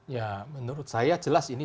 ya menurut saya jelas ini